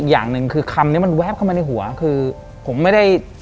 ดูแลอะไรก็ไม่เลย